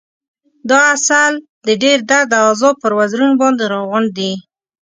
دا عسل د ډېر درد او عذاب پر وزرونو باندې راغونډ دی.